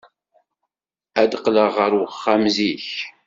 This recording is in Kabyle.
Ad d-qqleɣ ɣer uxxam zik.